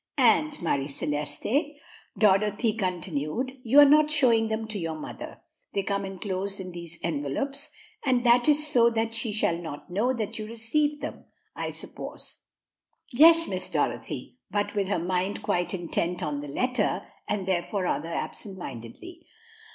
"And, Marie Celeste," Dorothy continued, "you are not showing them to your mother. They come enclosed in these envelopes, and that is so that she shall not know that you receive them, I suppose." "Yes, Miss Dorothy," but with her mind quite intent on the letter, and therefore rather absent mindedly.